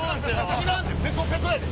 知らんで？